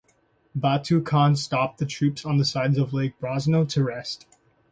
Batu Khan stopped the troops on the sides of Lake Brosno to rest.